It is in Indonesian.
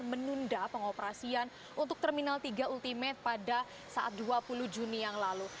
menunda pengoperasian untuk terminal tiga ultimate pada saat dua puluh juni yang lalu